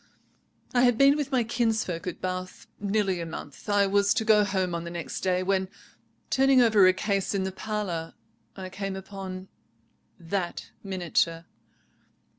"I had been with my kinsfolk at Bath nearly a month. I was to go home on the next day, when, turning over a case in the parlour, I came upon that miniature.